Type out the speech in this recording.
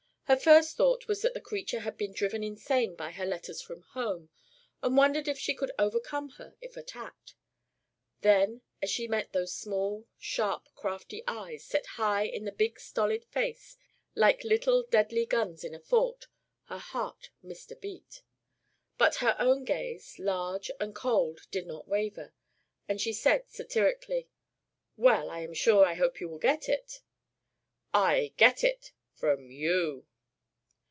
Her first thought was that the creature had been driven insane by her letters from home, and wondered if she could overcome her if attacked. Then as she met those small, sharp, crafty eyes, set high in the big stolid face like little deadly guns in a fort, her heart missed a beat. But her own gaze, large and cold, did not waver, and she said satirically: "Well, I am sure I hope you will get it." "I get it from you."